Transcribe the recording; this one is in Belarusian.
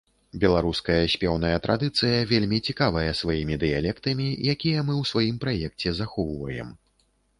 Беларуская спеўная традыцыя вельмі цікавая сваімі дыялектамі, якія мы ў сваім праекце захоўваем.